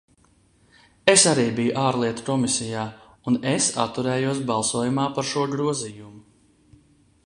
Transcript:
Es arī biju Ārlietu komisijā, un es atturējos balsojumā par šo grozījumu.